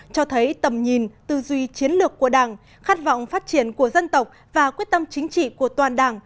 cho thấy tầm nhìn tư duy chiến lược của đảng khát vọng phát triển của dân tộc và quyết tâm chính trị của toàn đảng